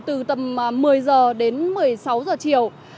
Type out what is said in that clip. từ tầm một mươi giờ đến một mươi sáu giờ chiều